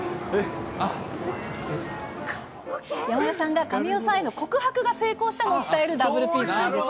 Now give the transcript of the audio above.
山田さんが神尾さんへの告白が成功したのを伝えるダブルピースなんです。